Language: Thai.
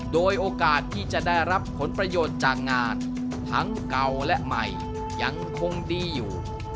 โดยโอกาสที่จะได้รับผลประโยชน์จากงานทั้งเก่าและใหม่ยังคงดีอยู่